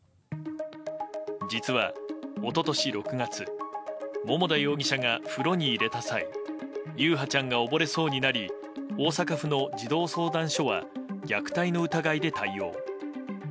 実は、一昨年６月桃田容疑者が風呂に入れた際優陽ちゃんが溺れそうになり大阪府の児童相談所は虐待の疑いで対応。